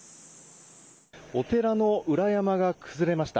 お寺の裏山が崩れました。